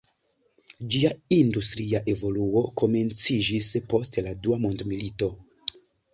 Ĝia industria evoluo komenciĝis post la Dua mondmilito.